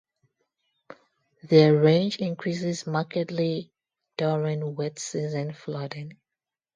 Their range increases markedly during wet season flooding.